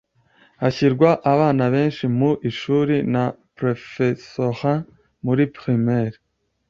Hashyirwa abana benshi mu ishuli na professorat muri primaire.